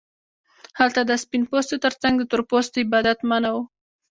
هلته د سپین پوستو ترڅنګ د تور پوستو عبادت منع و.